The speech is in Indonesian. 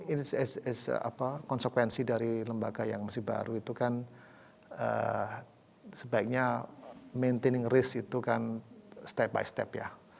it's a consequence dari lembaga yang masih baru itu kan sebaiknya maintaining risk itu kan step by step ya